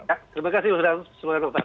terima kasih ustaz